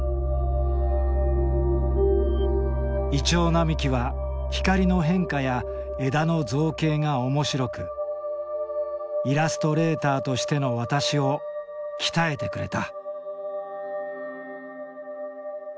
銀杏並木は光の変化や枝の造形が面白くイラストレーターとしての私を鍛えてくれた。